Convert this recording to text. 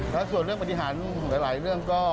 แล้วส่วนเรื่องปฏิหารหลายเรื่องก็